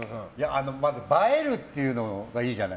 映えるというのがいいじゃない。